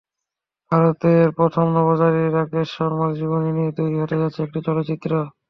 ভারতের প্রথম নভোচারী রাকেশ শর্মার জীবনী নিয়ে তৈরি হতে যাচ্ছে একটি চলচ্চিত্র।